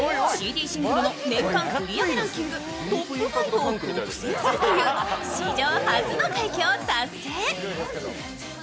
シングル年間ランキングトップ５を独占するという史上初の快挙を達成。